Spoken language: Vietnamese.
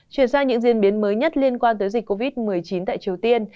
chuyển sang những diễn biến mới nhất liên quan tới dịch covid một mươi chín tại triều tiên